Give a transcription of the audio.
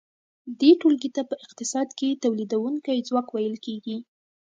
دې ټولګې ته په اقتصاد کې تولیدونکی ځواک ویل کیږي.